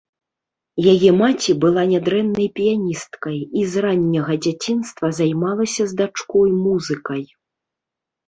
Яе маці была нядрэннай піяністкай і з ранняга дзяцінства займалася з дачкой музыкай.